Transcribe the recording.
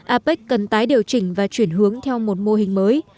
apec cần tái điều chỉnh và chuyển hướng theo một mô hình mới